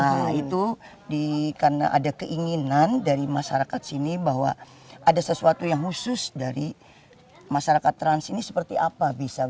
nah itu karena ada keinginan dari masyarakat sini bahwa ada sesuatu yang khusus dari masyarakat trans ini seperti apa